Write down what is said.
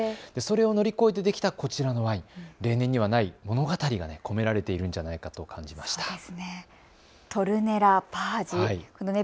それを乗り越えてできたこちらのワイン例年にはない物語が込められているんじゃないかと思いました。